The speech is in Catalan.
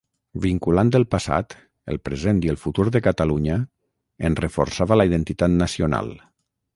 Vinculant el passat, el present i el futur de Catalunya, en reforçava la identitat nacional.